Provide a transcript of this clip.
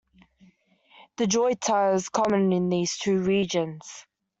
The jota is common in these two regions.